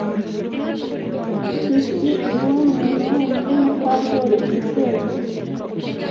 Trix niwe muntu wenyine Mukandoli yizera